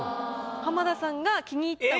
浜田さんが気に入った。